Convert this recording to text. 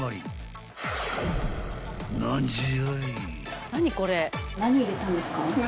［何じゃい？］